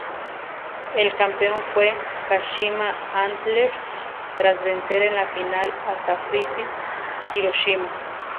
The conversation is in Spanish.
El campeón fue Kashima Antlers, tras vencer en la final a Sanfrecce Hiroshima.